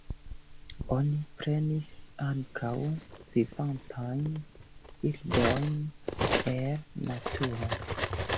Oni prenis ankaŭ vivantajn birdojn el naturo.